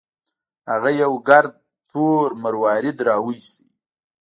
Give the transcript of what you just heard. هغه یو ګرد تور مروارید راوویست.